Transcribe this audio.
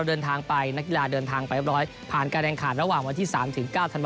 เหมือนกับดาสิก่านที่เยอะแล้ว